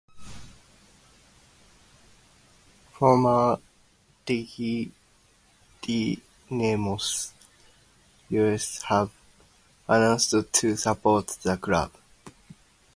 Former "Delhi Dynamos" ultras have announced to support the club.